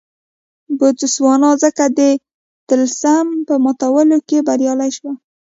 بوتسوانا ځکه د طلسم په ماتولو کې بریالۍ شوه.